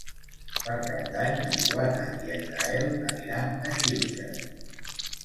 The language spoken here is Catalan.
Per Cap d'Any na Joana i en Gaël aniran a Xilxes.